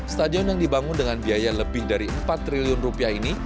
stadion yang dibangun dengan biaya lebih dari empat triliun rupiah ini